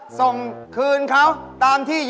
เหยกค่ะเดินเร็วมากเลย